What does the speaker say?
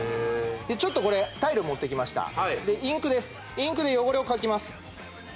ちょっとこれタイル持ってきましたでインクですインクで汚れを描きます